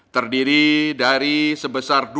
terdiri dari sebesar rp dua puluh dua sembilan triliun